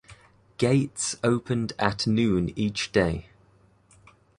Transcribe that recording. Gates opened at noon each day.